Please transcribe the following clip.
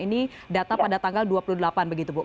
ini data pada tanggal dua puluh delapan begitu bu